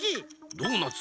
ドーナツ。